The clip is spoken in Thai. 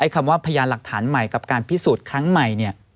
คำว่าพยานหลักฐานใหม่กับการพิสูจน์ครั้งใหม่